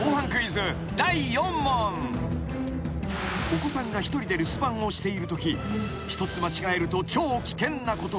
［お子さんが一人で留守番をしているとき一つ間違えると超危険なことが］